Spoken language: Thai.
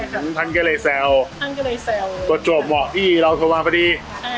มืมถ้างเลยเซลแล้วก็ไปดูหว่ะพี่เราตัวมาพอดี